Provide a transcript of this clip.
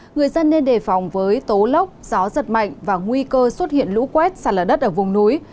người dân nên đề phòng với tố lốc gió giật mạnh và nguy cơ xuất hiện lũ quét sạt lở đất ở vùng núi